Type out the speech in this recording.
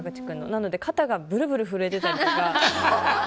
なので肩がぶるぶる震えてたりとか。